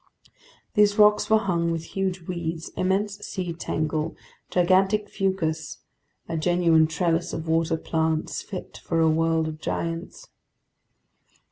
These rocks were hung with huge weeds, immense sea tangle, gigantic fucus—a genuine trellis of water plants fit for a world of giants.